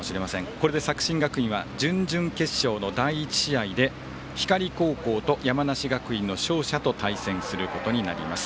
これで作新学院は準々決勝の第１試合で光高校と山梨学院の勝者と対戦することになります。